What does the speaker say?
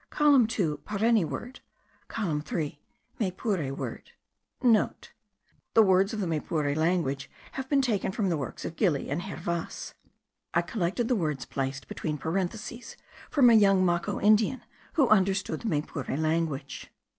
COLUMN 2 : PARENI WORD. COLUMN 3 : MAYPURE WORD. (* The words of the Maypure language have been taken from the works of Gili and Hervas. I collected the words placed between parentheses from a young Maco Indian, who understood the Maypure language.)